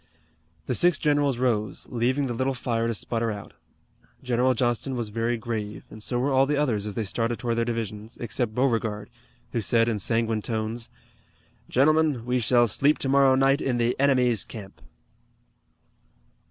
The six generals rose, leaving the little fire to sputter out. General Johnston was very grave, and so were all the others as they started toward their divisions, except Beauregard, who said in sanguine tones: "Gentlemen, we shall sleep tomorrow night in the enemy's camp."